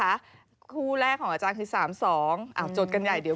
อาจารย์เนี่ย